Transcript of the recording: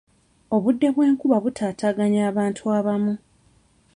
Obudde bw'enkuba butaataaganya abantu abamu.